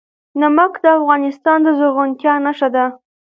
نمک د افغانستان د زرغونتیا نښه ده.